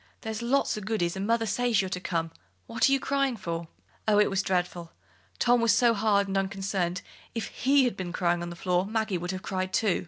There's lots o' goodies, and mother says you're to come. What are you crying for?" Oh, it was dreadful! Tom was so hard and unconcerned; if he had been crying on the floor, Maggie would have cried, too.